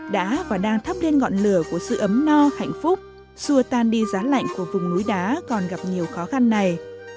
đã và đang thắp lên ngọn lửa của sự ấm no hạnh phúc xua tan đi giá lạnh của vùng núi đá còn gặp nhiều khó khăn này